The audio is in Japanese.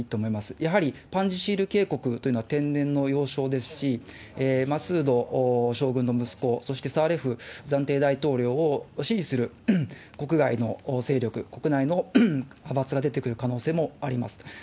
やはりパンジシール渓谷というのは、天然の要所ですし、マスード将軍の息子、そしてサレーフ暫定大統領を支持する国外の勢力、国内の派閥が出てくる可能性もあります。